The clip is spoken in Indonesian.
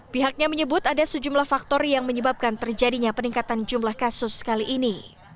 pihaknya menyebut ada sejumlah faktor yang menyebabkan terjadinya peningkatan jumlah kasus kali ini